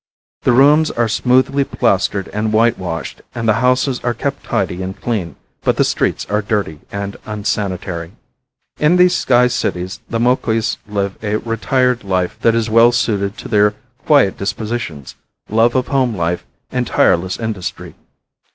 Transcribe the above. The rooms are smoothly plastered and whitewashed and the houses are kept tidy and clean, but the streets are dirty and unsanitary. In these sky cities the Moquis live a retired life that is well suited to their quiet dispositions, love of home life and tireless industry.